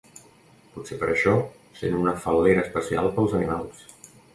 Potser per això sent una fal·lera especial pels animals.